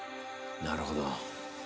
なるほど。